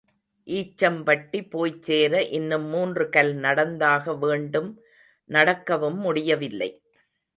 ஈச்சம்பட்டி போய்ச் சேர இன்னும் மூன்று கல் நடந்தாக வேண்டும் நடக்கவும் முடியவில்லை.